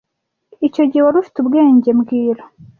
Icyo gihe wari ufite ubwenge mbwira